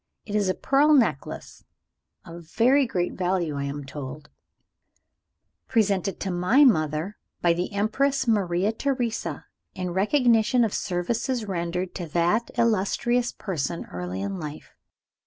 It is a pearl necklace (of very great value, I am told) presented to my mother by the Empress Maria Theresa in recognition of services rendered to that illustrious person early in life.